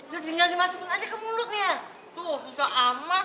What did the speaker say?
terus tinggal dimasukin aja ke mulutnya tuh susah amat